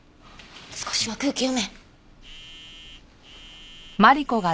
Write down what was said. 少しは空気読め！